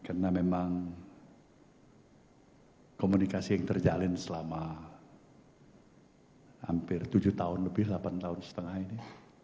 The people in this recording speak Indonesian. karena memang komunikasi yang terjalin selama hampir tujuh tahun lebih delapan tahun setengah ini